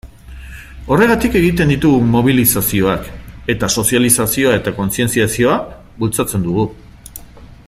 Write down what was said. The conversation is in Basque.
Horregatik egiten ditugu mobilizazioak, eta sozializazioa eta kontzientziazioa bultzatzen dugu.